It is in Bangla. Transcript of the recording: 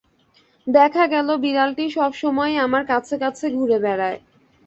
দেখা গেল বিড়ালটি সব সময়েই আমার কাছে কাছে ঘুরে বেড়ায়।